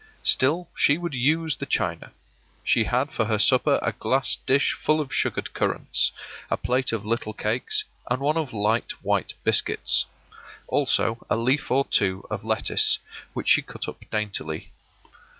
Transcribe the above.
Still she would use the china. She had for her supper a glass dish full of sugared currants, a plate of little cakes, and one of light white biscuits. Also a leaf or two of lettuce, which she cut up daintily.